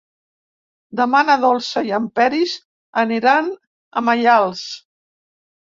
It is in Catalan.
Demà na Dolça i en Peris aniran a Maials.